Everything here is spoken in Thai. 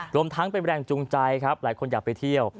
รวมทั้งเป็นแรงจูงใจครับหลายคนอยากไปเที่ยว